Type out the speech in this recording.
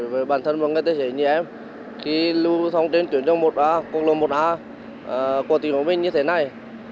với bản thân và người tế giới như em khi lưu thông trên tuyến quốc lộ một a của tỉnh quảng bình như thế này